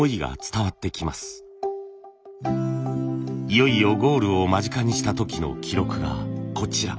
いよいよゴールを間近にした時の記録がこちら。